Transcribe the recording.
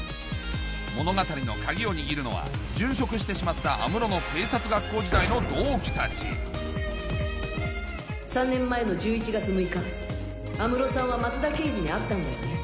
物語の鍵を握るのは殉職してしまった安室の警察学校時代の同期たち３年前の１１月６日安室さんは松田刑事に会ったんだよね？